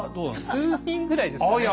数人ぐらいですかね。